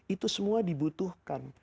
itu semua dibutuhkan